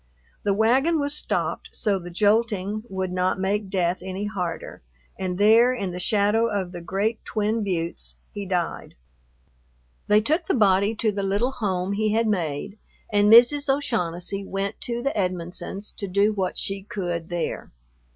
The wagon was stopped so the jolting would not make death any harder, and there in the shadow of the great twin buttes he died. They took the body to the little home he had made, and Mrs. O'Shaughnessy went to the Edmonsons' to do what she could there.